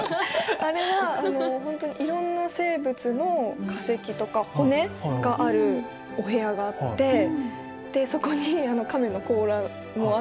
あれはあの本当にいろんな生物の化石とか骨があるお部屋があってでそこにカメの甲羅もあったので。